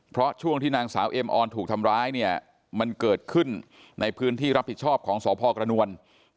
เพราะช่วงที่นางสาวเอ็มออนถูกทำร้ายเนี่ยมันเกิดขึ้นในพื้นที่รับผิดชอบของสพกระนวล